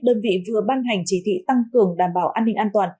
đơn vị vừa ban hành chỉ thị tăng cường đảm bảo an ninh an toàn